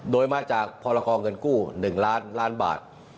โดยมาจากพรกรเงินกู้๑ล้านล้านบาท